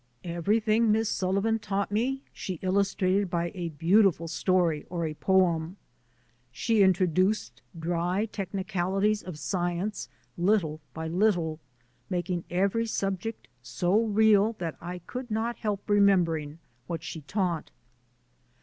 Everything Miss Sullivan taught me she illustrated by a beautiful story or a poem. ... She introduced dry technicalities of science little by little, making every subject so real that I could not help remembering what she taught."